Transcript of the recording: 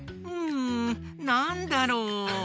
んなんだろう？